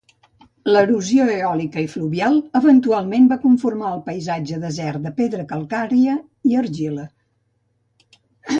L'erosió eòlica i fluvial eventualment va conformar el paisatge desert de pedra calcària i argila.